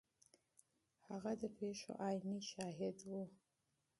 هغه د پیښو عیني شاهد و.